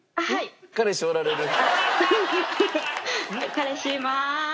彼氏いまーす。